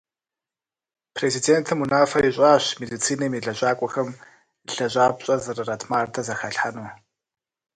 Президентым унафэ ищӀащ медицинэм и лэжьакӀуэхэм лэжьапщӀэр зэрырат мардэ зэхалъхьэну.